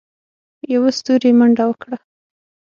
يوه ستوري منډه وکړه.